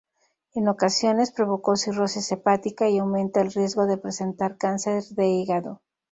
En ocasiones provoca cirrosis hepática y aumenta el riesgo de presentar cáncer de hígado.